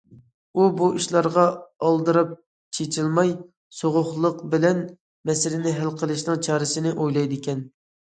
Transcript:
ئۇ بۇ ئىشلارغا ئالدىراپ چېچىلماي، سوغۇققانلىق بىلەن مەسىلىنى ھەل قىلىشنىڭ چارىسىنى ئويلايدىكەن.